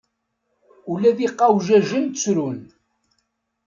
Ula d iqawjajen ttrun.